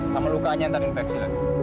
sama lukaannya yang tadi infeksi